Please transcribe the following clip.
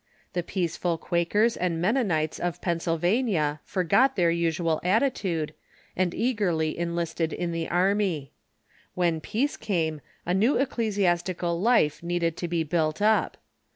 The peaceful Quakers and Mennonites of Pennsylvania forgot their usual attitude, and eagerly enlisted in the army. When peace came, a new ecclesiastical life needed to be built up.